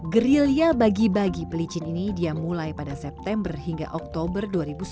gerilya bagi bagi pelicin ini dia mulai pada september hingga oktober dua ribu sembilan belas